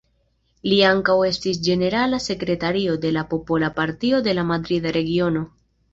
Li ankaŭ estis ĝenerala sekretario de la Popola Partio de la Madrida Regiono.